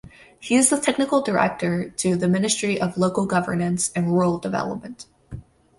He is the technical director to the Ministry of local Governance and Rural Development.